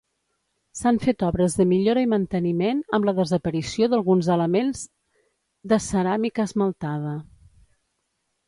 S'han fet obres de millora i manteniment, amb la desaparició d'alguns elements de ceràmica esmaltada.